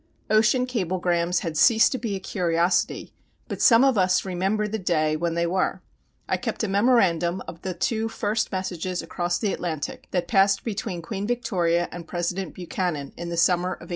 Ocean cablegrams had ceased to be a curiosity, but some of us remember the day when they were. I kept a memorandum of the two first messages across the Atlantic that passed between Queen Victoria and President Buchanan in the summer of 1858.